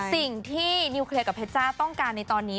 สิ่งที่นิวเคลียร์กับเพชจ้าต้องการในตอนนี้